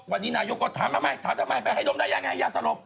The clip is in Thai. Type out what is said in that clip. วันนี้นายกก็ถามทำไมถามทำไมไปให้นมได้ยังไงยาสลบ